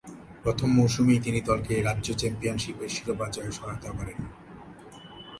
প্রথম মৌসুমেই তিনি দলকে রাজ্য চ্যাম্পিয়নশীপের শিরোপা জয়ে সহায়তা করেন।